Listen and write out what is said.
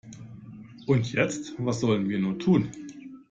Und jetzt, was sollen wir nur tun?